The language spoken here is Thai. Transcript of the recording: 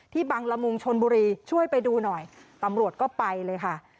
บังละมุงชนบุรีช่วยไปดูหน่อยตำรวจก็ไปเลยค่ะ